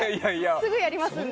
すぐやりますので。